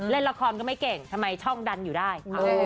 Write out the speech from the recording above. เล่นละครก็ไม่เก่งทำไมช่องดันอยู่ได้